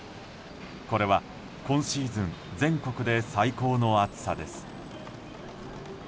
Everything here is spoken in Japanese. これは今シーズン全国で最高の暑さです。